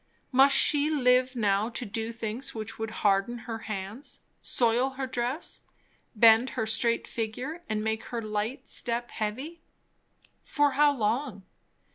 Must she live now to do things which would harden her hands, soil her dress, bend her straight figure, and make her light step heavy? For how long?